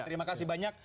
terima kasih banyak